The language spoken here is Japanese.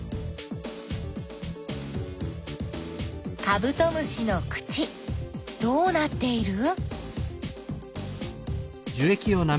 カブトムシの口どうなっている？